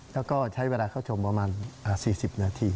แล้วก็ใช้เวลาเข้าชมประมาณ๔๐นาที